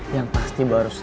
yang pasti baru selesai